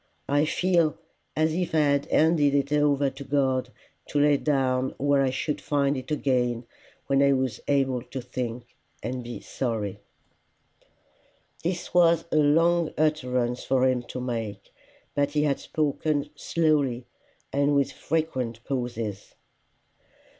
I feel as if I had handed it over to God to lay down where I should find it again when I was able to think and be sorry." This was a long utterance for him to make, but he had spoken slowly, and with frequent pauses.